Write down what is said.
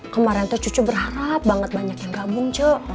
kemarin tuh cucu berharap banget banyak yang gabung cok